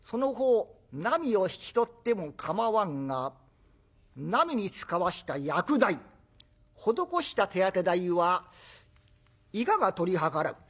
なみを引き取っても構わんがなみに使わした薬代施した手当て代はいかが取り計らう？」。